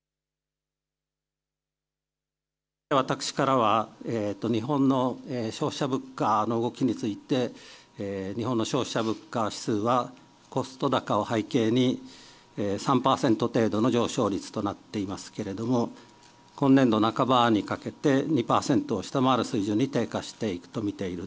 私からは、日本の消費者物価の動きについて、日本の消費者物価指数は、コスト高を背景に３％程度の上昇率となっていますけれども、今年度半ばにかけて、２％を下回る水準に低下していくと見ている。